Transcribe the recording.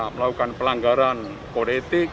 melakukan pelanggaran kode etik